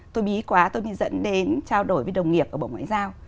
tôi bí quá tôi mới dẫn đến trao đổi với đồng nghiệp ở bộ ngoại giao